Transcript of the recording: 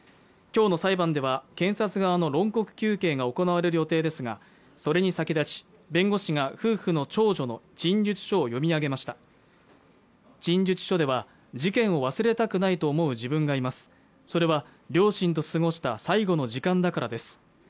今日の裁判では検察側の論告求刑が行われる予定ですがそれに先立ち弁護士が夫婦の長女の陳述書を読み上げました陳述書では事件を忘れたくないと思う自分がいますそれは両親と過ごした最後の時間だからです